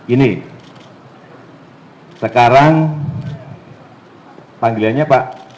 ini sekarang panggilannya pak